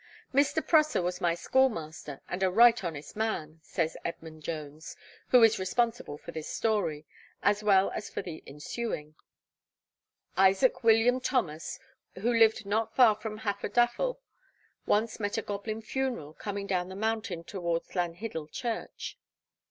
'Mr. Prosser was my schoolmaster, and a right honest man,' says Edmund Jones, who is responsible for this story, as well as for the ensuing: Isaac William Thomas, who lived not far from Hafodafel, once met a Goblin Funeral coming down the mountain toward Llanhiddel church.